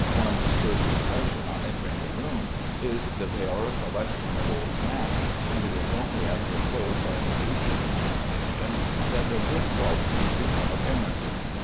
One's first impression, on entering the room, is that they are a collection of old maps, and it is only after close and patient examination that their good qualities became apparent.